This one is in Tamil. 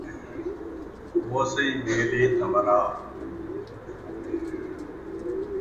ஒசை மேலே தவறா?